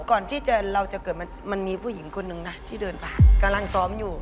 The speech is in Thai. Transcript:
ก่อนที่เราจะเกิดมันมีผู้หญิงคนนึงนะที่เดินผ่านกำลังซ้อมอยู่